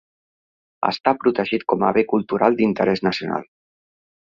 Està protegit com a Bé Cultural d'Interès Nacional.